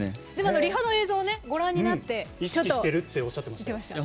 リハの映像をご覧になって意識してるとおっしゃってました。